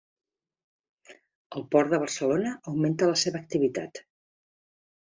El Port de Barcelona augmenta la seva activitat